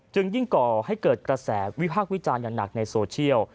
ยิ่งก่อให้เกิดกระแสวิพากษ์วิจารณ์อย่างหนักในโซเชียล